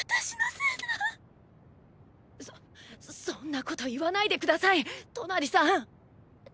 そそんなこと言わないで下さいトナリさん！